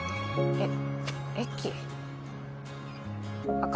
えっ？